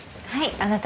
あなた。